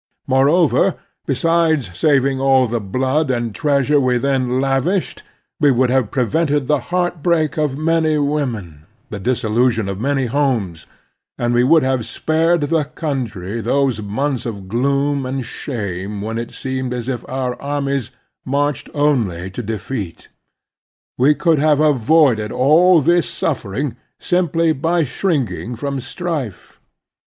Moreover, besides The Strenuous Life 7 saving all the blood and treasure we then lavished, we wotild have prevented the heartbreak of many women, the dissolution of many homes, and we would have spared the country those months of gloom and shame when it seemed as if otir armies marched only to defeat. We could have avoided all this suffering simply by shrinking from strife.